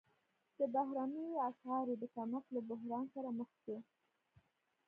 د بهرنیو اسعارو د کمښت له بحران سره مخ شو.